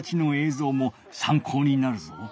ぞうもさんこうになるぞ。